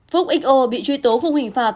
phúc xo bị truy tố không hình phạt